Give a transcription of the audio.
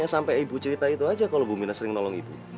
sampai ibu cerita itu aja kalau bu mina sering nolong ibu